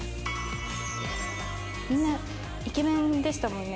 みんなイケメンでしたもんね。